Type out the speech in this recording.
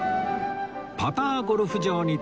パターゴルフ場に到着。